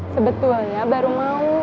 sebetulnya baru mau